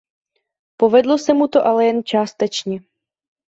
Povedlo se mu to ale jen částečně.